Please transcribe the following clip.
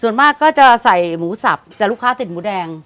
ส่วนมากก็จะใส่หมูสับแต่ลูกค้าติดหมูแดง